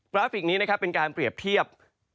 กระฟิกนี้การเปรียบเทียบ